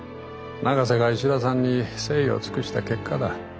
永瀬が石田さんに誠意を尽くした結果だ。